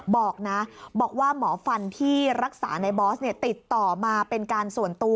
บอกนะบอกว่าหมอฟันที่รักษาในบอสเนี่ยติดต่อมาเป็นการส่วนตัว